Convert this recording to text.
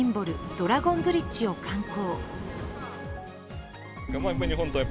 ドラゴンブリッジを観光。